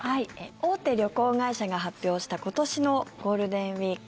大手旅行会社が発表した今年のゴールデンウィーク